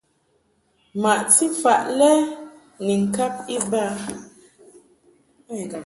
Maʼti faʼ lɛ ni ŋkab iba.